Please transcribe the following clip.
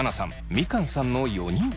みかんさんの４人。